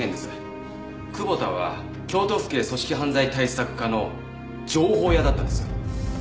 久保田は京都府警組織犯罪対策課の情報屋だったんです。